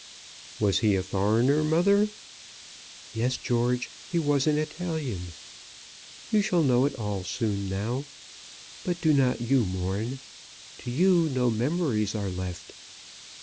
"Was he a foreigner, mother?" "Yes, George. He was an Italian. You shall know it all soon now. But do not you mourn. To you no memories are left.